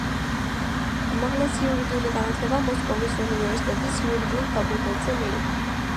უმაღლესი იურიდიული განათლება მოსკოვის უნივერსიტეტის იურიდიულ ფაკულტეტზე მიიღო.